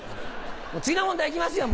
次の問題行きますよ